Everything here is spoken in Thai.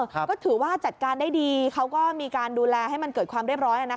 ก็ถือว่าจัดการได้ดีเขาก็มีการดูแลให้มันเกิดความเรียบร้อย